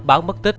báo mất tích